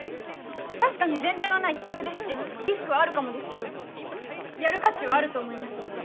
確かに前例のない企画ですしリスクはあるかもですけどやる価値はあると思います。